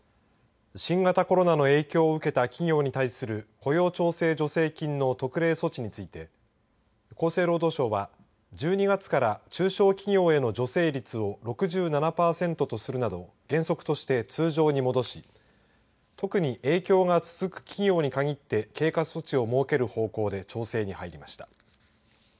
新型コロナの影響を受けた企業に対する雇用調整助成金の特例措置について厚生労働省は１２月から中小企業への助成率を６７パーセントとするなど原則として通常に戻し特に影響が続く企業に限って経過措置を設ける方向で調整に入りました。